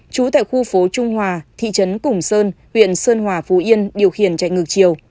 trú tại khu phố trung hòa thị trấn củng sơn huyện sơn hòa phú yên điều khiển chạy ngựa